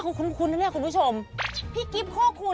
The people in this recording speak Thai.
สวัสดีครับ